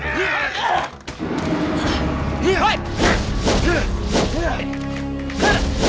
baluk apa itu sayang